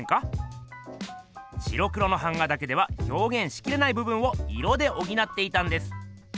白黒の版画だけではひょうげんしきれない部分を色でおぎなっていたんです。